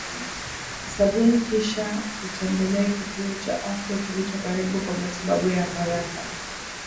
sabuni kisha utembelee kituo cha afya kilicho karibu kwa matibabu ya haraka